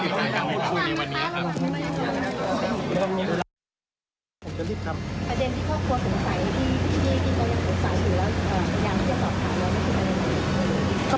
พยายามจะสอบค่าแล้วคุยกันออกมาไหมครับ